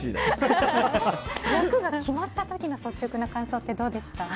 役が決まった時の率直な感想ってどうでした？